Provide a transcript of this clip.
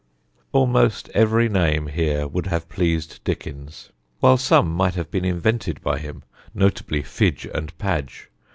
Almost every name here would have pleased Dickens, while some might have been invented by him, notably Fidge and Padge.